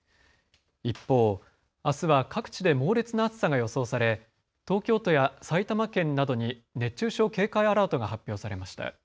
一方、あすは各地で猛烈な暑さが予想され東京都や埼玉県などに熱中症警戒アラートが発表されました。